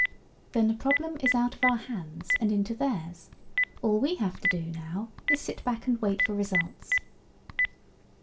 "Then the problem is out of our hands and into theirs. All we have to do now is sit back and wait for results."